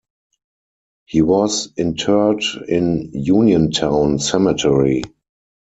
He was interred in Uniontown Cemetery.